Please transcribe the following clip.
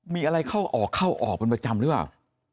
มีอะไรเข้าออกเข้าออกเป็นประจำหรือเปล่า